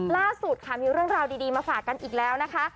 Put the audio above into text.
ล่าสุดค่ะมีเรื่องราวดีมาฝากกันอีกแล้วนะคะ